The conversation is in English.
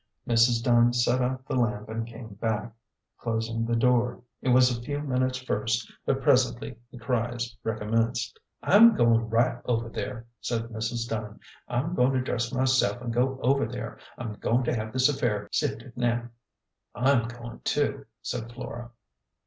Mrs. Dunn set out the lamp and came back, closing the door. It was a few minutes first, but presently the cries recommenced. "I'm goin' right over there," said Mrs. Dunn. "I'm A GENTLE GHOST. 2 49 goin' to dress myself an' go over there. I'm goin' to have this affair sifted now." " I'm going too," said Flora.